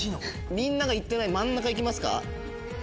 みんなが行ってない真ん中行きますか。